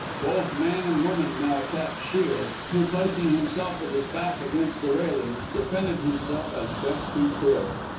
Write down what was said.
Both man and woman now attacked Shiel, who, placing himself with his back against the railings, defended himself as best he could.